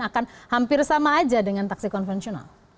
akan hampir sama aja dengan taksi konvensional